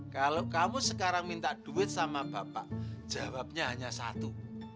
kalau kamu sekarang minta duit sama bapak jawabnya hanya satu